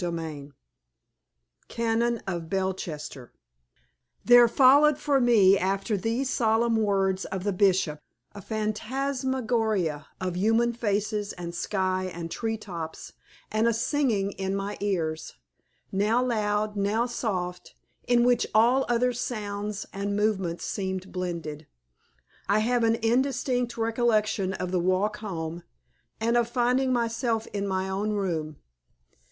CHAPTER X CANON OF BELCHESTER There followed for me after these solemn words of the Bishop a phantasmagoria of human faces, and sky, and tree tops, and a singing in my ears, now loud, now soft, in which all other sounds and movements seemed blended. I have an indistinct recollection of the walk home, and of finding myself in my own room.